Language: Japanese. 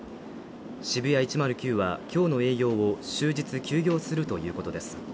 ＳＨＩＢＵＹＡ１０９は今日の営業を終日休業するということです。